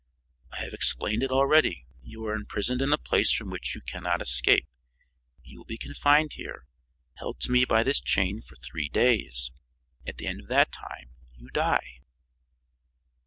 "I have explained it already. You are imprisoned in a place from which you cannot escape. You will be confined here, held to me by this chain, for three days. At the end of that time you die."